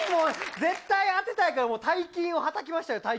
絶対当てたいから大金をはたきましたよ。